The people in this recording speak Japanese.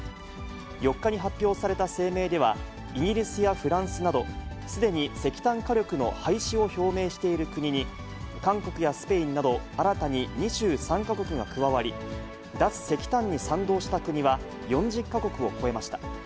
４日に発表された声明では、イギリスやフランスなど、すでに石炭火力の廃止を表明している国に、韓国やスペインなど新たに２３か国が加わり、脱石炭に賛同した国は４０か国を超えました。